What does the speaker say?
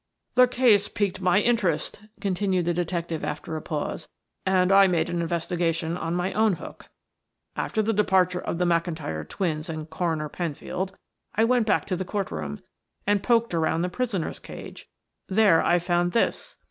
"The case piqued my interest," continued the detective after a pause. "And I made an investigation on my own hook. After the departure of the McIntyre twins and Coroner Penfield, I went back to the court room and poked around the prisoners' cage. There I found this."